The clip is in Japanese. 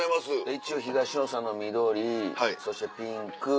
一応東野さんの緑そしてピンク。